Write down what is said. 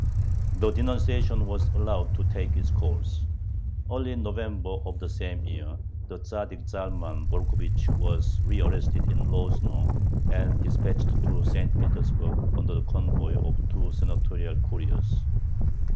The denunciation was allowed to take its course. Early in November of the same year, the Tzaddik Zalman Borukhovich was rearrested in Lozno and dispatched to St. Petersburg under the convoy of two Senatorial couriers.